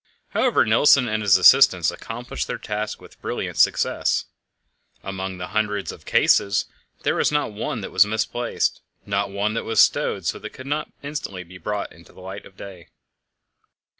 However, Nilsen and his assistants accomplished their task with brilliant success. Among the hundreds of cases there was not one that was misplaced; not one that was stowed so that it could not instantly be brought into the light of day.